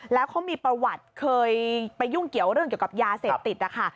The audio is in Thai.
แล้วเขามีประวัติเคยไปยุ่งเกี่ยวเรื่องเกี่ยวกับยาเสพติดนะคะ